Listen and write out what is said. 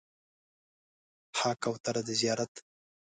ها کوتره د زیارت